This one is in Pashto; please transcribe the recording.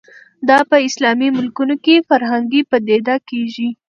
دا په اسلامي ملکونو کې فرهنګي پدیده کېږي